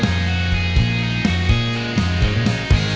lihat mukanya gitu